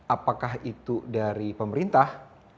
apakah itu dari pemerintah